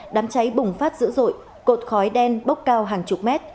đám cháy bùng phát dữ dội cột khói đen bốc cao hàng chục mét